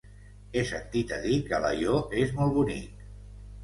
He sentit a dir que Alaior és molt bonic.